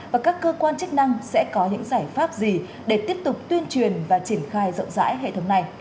và các cơ quan chức năng sẽ có những giải pháp gì để tiếp tục tuyên truyền và triển khai rộng rãi hệ thống này